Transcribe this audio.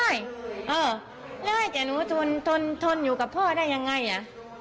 ไม่ให้แกหนูทนทนอยู่กับพ่อได้ยังไงอ่ะ